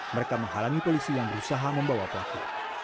mereka menghalangi polisi yang berusaha membawa pelaku